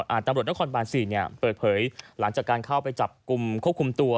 ตำรวจนครบานสี่เนี้ยเปิดเผยหลังจากการเข้าไปจับกลุ่มควบคุมตัว